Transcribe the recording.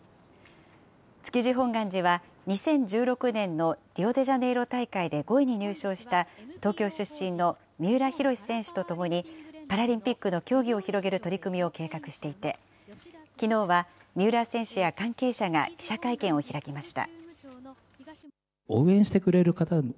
築地本願寺は２０１６年のリオデジャネイロ大会で５位に入賞した東京出身の三浦浩選手とともにパラリンピックの競技を広げる取り組みを計画していて、きのうは三浦選手や関係者が記者会見を開きました。